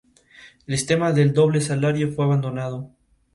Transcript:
El sistema del doble salario fue abandonado.